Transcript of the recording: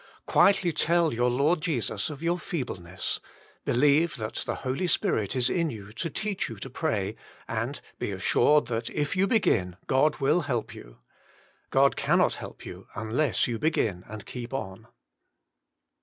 Quietly tell your Lord Jesus of your feebleness ; believe that the Holy Spirit is in you to teach you to pray, and be assured that if you begin, God will help you. God cannot help you unless you begin and keep on.